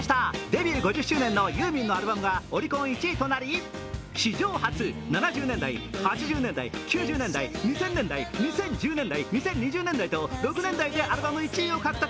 デビュー５０周年のユーミンのアルバムがオリコン１位となり、史上初、７０年代８０年代、９０年代、２０００年代、２０１０年代、２０２０年代と６年代でアルバム１位を獲得。